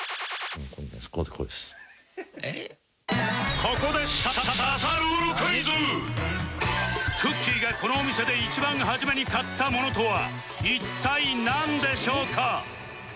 ここでくっきー！がこのお店で一番初めに買ったものとは一体なんでしょうか？